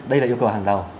đây là yêu cầu hàng đầu